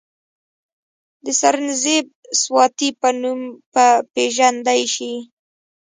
د سرنزېب سواتي پۀ نوم پ ېژندے شي،